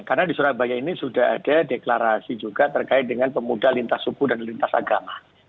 karena di surabaya ini sudah ada deklarasi juga terkait dengan pemuda lintas suku dan lintas agama